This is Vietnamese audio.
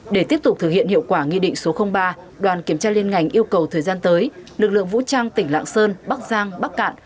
để tiếp tục thực hiện hiệu quả nghị định số ba đoàn kiểm tra liên ngành yêu cầu thời gian tới lực lượng vũ trang tỉnh lạng sơn bắc giang bắc cạn